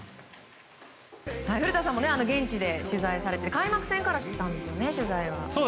古田さんも現地で取材されて開幕戦からしていたんですよね取材は。